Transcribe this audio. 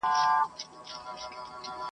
خلک د ملالي زیارت ته ورځي.